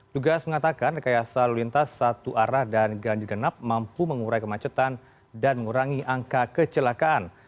tugas mengatakan rekayasa lalu lintas satu arah dan ganjil genap mampu mengurai kemacetan dan mengurangi angka kecelakaan